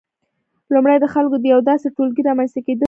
لومړی د خلکو د یو داسې ټولګي رامنځته کېدل دي